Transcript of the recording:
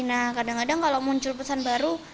nah kadang kadang kalau muncul pesan baru